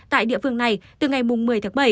tại địa phương này từ ngày một mươi tháng bảy